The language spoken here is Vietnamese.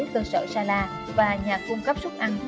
cơ sở sala và nhà cung cấp sức ăn